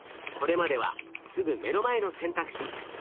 これまではすぐ目の前の選択肢